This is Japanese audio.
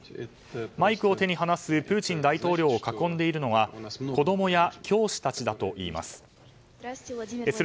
マイクを手に話すプーチン大統領を囲んでいるのは子供や教師たちだといいます。